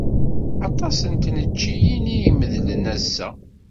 Aṭas n tneččiyin ay imedlen ass-a.